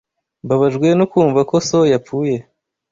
Mbabajwe no kumva ko so yapfuye.